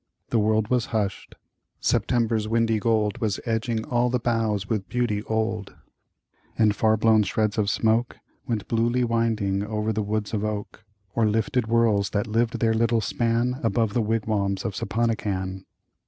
The world was hushed; September's windy goldWas edging all the boughs with beauty old; And far blown shreds of smokeWent bluely winding over the woods of oak, Or lifted whirls that lived their little spanAbove the wigwams of Sapponikan.